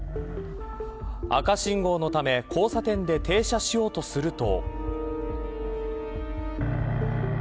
赤信号のため交差点で停車しようとすると。